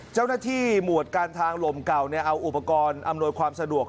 เจ้าหน้าที่หมวดการทางลมเก่าเอาอุปกรณ์อำนวยความสะดวก